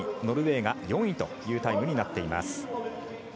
ノルウェーが４位というタイムになっています。